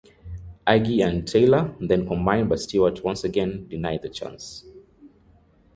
Agyei and Taylor then combined but Stewart once again denied the chance.